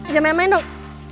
jamai main dong